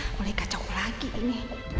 mulai kacau lagi ini